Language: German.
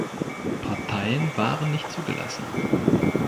Parteien waren nicht zugelassen.